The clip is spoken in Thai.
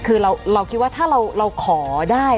คือเราคิดว่าถ้าเราขอได้